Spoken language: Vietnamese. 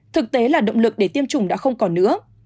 thực tế là động lực để tiêm chủng đã không còn nữa